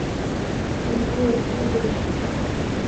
— Андреев йодеш.